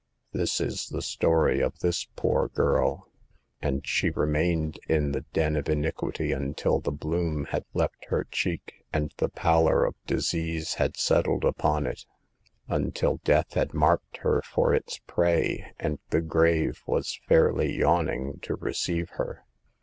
This is the story of this poor girl ; and she remained in the den of iniquity until the bloom had left her cheek, and the pallor of disease had settled upon it ; until Death had marked her for his prey, and the grave was fairly yawn ing to receive her.